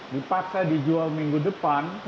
dipaksa dijual minggu depan